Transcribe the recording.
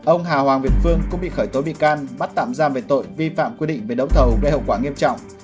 ông hà hoàng việt phương cũng bị khởi tố bị can bắt tạm giam về tội vi phạm quy định về đấu thầu gây hậu quả nghiêm trọng